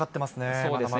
そうですね。